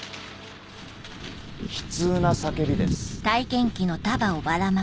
悲痛な叫びです。